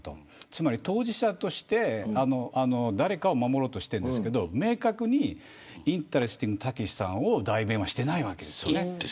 つまり、当事者として誰かを守ろうとしているんですけれど明確にインタレスティングたけしさんをインたけでいいですよ。